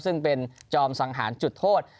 ซึ่งเป็นจอมสังหารจุดโทษ